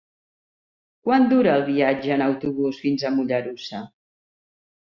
Quant dura el viatge en autobús fins a Mollerussa?